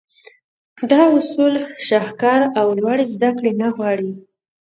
دا اصول شهکار او لوړې زدهکړې نه غواړي.